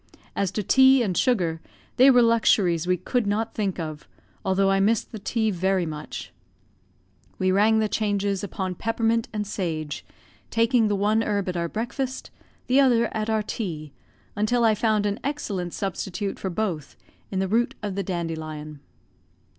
As to tea and sugar, they were luxuries we could not think of, although I missed the tea very much; we rang the changes upon peppermint and sage, taking the one herb at our breakfast, the other at our tea, until I found an excellent substitute for both in the root of the dandelion.